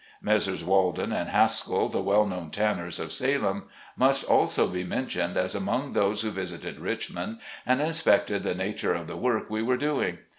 Messrs. Walden and Haskell, the well known tanners of Salem, must also be mentioned as among those who visited Richmond and inspected the nature of the work we were doing.